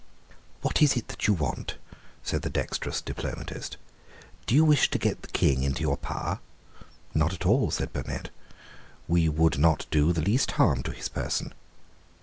"What is it that you want?" said the dexterous diplomatist; "do you wish to get the King into your power?" "Not at all," said Burnet; "we would not do the least harm to his person."